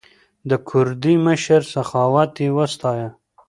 د کوردي مشر سخاوت یې وستایه.